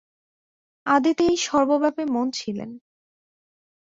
আদিতে এই সর্বব্যাপী মন ছিলেন।